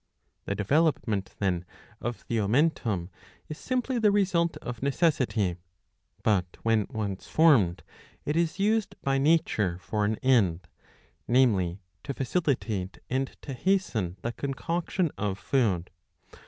The development, then, of the omentum is simply the result of necessity. But when once formed, it is used by nature for an end, namely, to facilitate and to hasten the concoction of food.